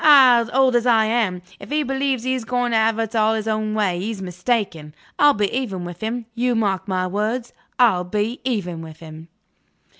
Aha! old as I am, if he believes he's going to have it all his own way, he's mistaken. I'll be even with him. You mark my words: I'll be even with him."